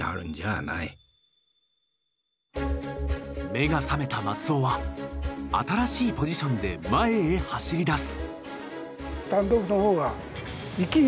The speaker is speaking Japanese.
目が覚めた松尾は新しいポジションで前へ走りだす。